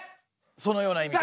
そのような意味かと。